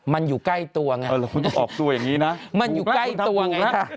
มันอยู่ใกล้ตัวไงมันอยู่ใกล้ตัวไงค่ะ